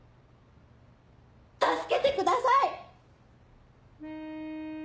助けてください！